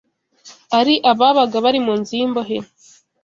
Ari ababaga bari mu nzu y’imbohe